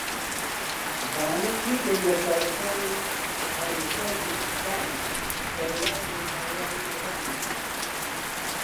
بانە یەکێک لە شارەکانی پارێزگای کوردستانە کە لە لای ڕۆژئاوای ئێرانەوەیە